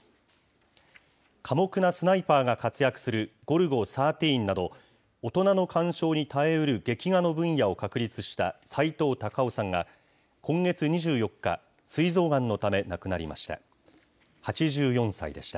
寡黙なスナイパーが活躍するゴルゴ１３など、大人の鑑賞に堪えうる劇画の分野を確立したさいとう・たかをさんが、今月２４日、すい臓がんのため亡くなりました。